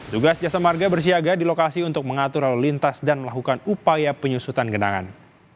tugas jasa marga bersiaga di lokasi untuk mengatur lalu lintas dan melakukan upaya penyusutan genangan